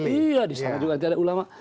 iya disana juga ada ulama